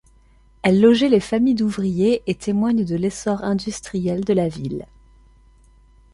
Elles logeaient les familles d’ouvriers et témoignent de l’essor industriel de la ville.